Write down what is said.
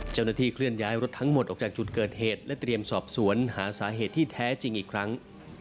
เคลื่อนย้ายรถทั้งหมดออกจากจุดเกิดเหตุและเตรียมสอบสวนหาสาเหตุที่แท้จริงอีกครั้ง